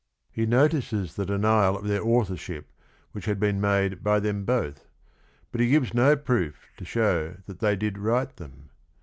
He notices the denial of their authorship which had been made by them both, but he gives no proof to show that they did write them.